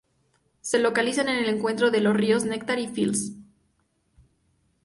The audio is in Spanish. Se localiza en el encuentro de los ríos Neckar y Fils.